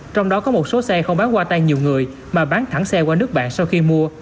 trong đó có một số xe không bán qua tay nhiều người mà bán thẳng xe qua nước bạn sau khi mua